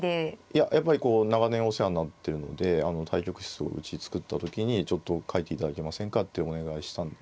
いややっぱりこう長年お世話になってるのであの対局室をうち造った時にちょっと書いていただけませんかってお願いしたん。